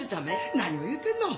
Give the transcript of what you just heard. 何を言うてんの！